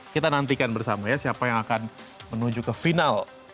kita nantikan bersama ya siapa yang akan menuju ke final